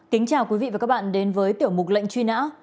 kính chào quý vị và các bạn đến với tiểu mục lệnh truy nã